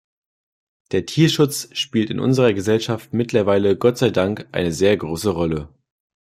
Der Tierschutz spielt in unserer Gesellschaft mittlerweile Gott sei Dank eine sehr große Rolle.